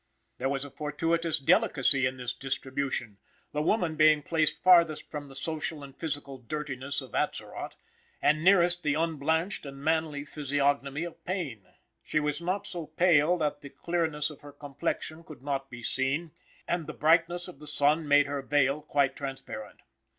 There was a fortuitous delicacy in this distribution, the woman being placed farthest from the social and physical dirtiness of Atzerott, and nearest the unblanched and manly physiognomy of Payne. She was not so pale that the clearness of her complexion could not be seen, and the brightness of the sun made her vail quite transparent.